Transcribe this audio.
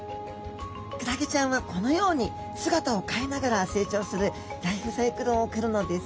クラゲちゃんはこのように姿を変えながら成長するライフサイクルを送るのです。